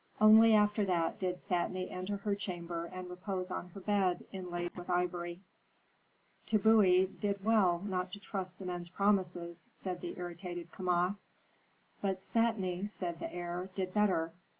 Only after that did Satni enter her chamber and repose on her bed, inlaid with ivory." "Tbubui did well not to trust to men's promises," said the irritated Kama. "But Satni," said the heir, "did better.